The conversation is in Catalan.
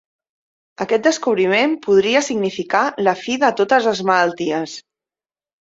Aquest descobriment podria significar la fi de totes les malalties.